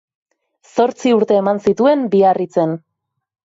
Zortzi urte eman zituen Biarritzen.